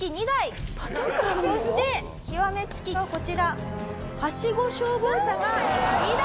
そして極め付きがこちら。